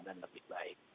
dan lebih baik